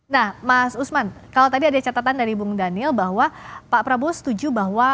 nah mas usman kalau tadi ada catatan dari bung daniel bahwa pak prabowo setuju bahwa